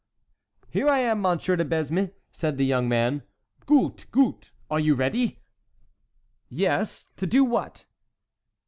"Here I am, Monsieur de Besme," said the young man. "Goot, goot; are you ready?" "Yes—to do what?"